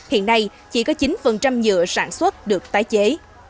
hiện nay chỉ có chín nhựa sản xuất được tái chế